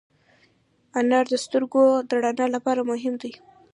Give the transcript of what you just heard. انار د سترګو د رڼا لپاره مهم دی.